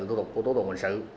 tổ tục của tổ tục hành sự